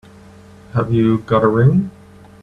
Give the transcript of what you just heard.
Have you got a ring?